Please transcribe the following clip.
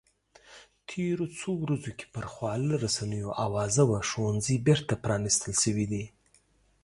تېرو څو ورځو کې پر خواله رسنیو اوازه وه ښوونځي بېرته پرانیستل شوي دي